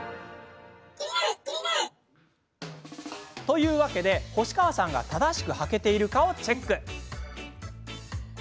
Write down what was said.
というわけで星川さんが正しくはけているかをチェック。